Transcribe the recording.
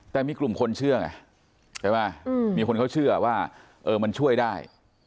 แต่มีกลุ่มคนเชื่อไงใช่ไหมมีคนเขาเชื่อว่าเออมันช่วยได้